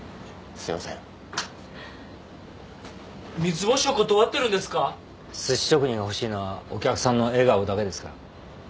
すし職人が欲しいのはお客さんの笑顔だけですから。